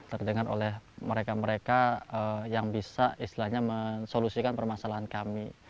terdengar oleh mereka mereka yang bisa istilahnya mensolusikan permasalahan kami